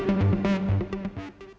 tim lipan cnn indonesia